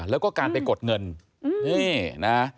แล้วก็การไปกดเงิน